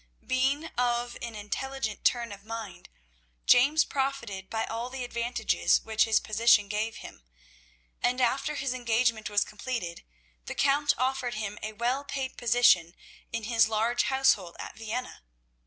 Being of an intelligent turn of mind, James profited by all the advantages which his position gave him, and, after his engagement was completed, the Count offered him a well paid position in his large household at Vienna.